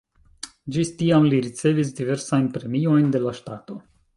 Ĝis tiam li ricevis diversajn premiojn de la ŝtato.